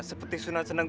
seperti sunan sedang dua